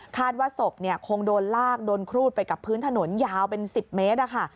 ว่าศพคงโดนลากโดนครูดไปกับพื้นถนนยาวเป็น๑๐เมตร